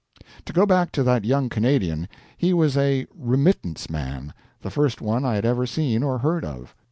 To go back to that young Canadian. He was a "remittance man," the first one I had ever seen or heard of.